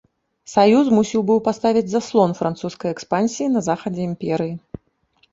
Саюз мусіў быў паставіць заслон французскай экспансіі на захадзе імперыі.